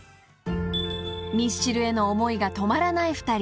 ［ミスチルへの思いが止まらない２人］